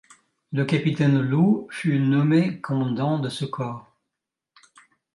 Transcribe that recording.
Le capitaine Leloup fut nommé commandant de ce corps.